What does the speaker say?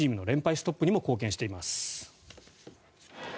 ストップにも貢献しています。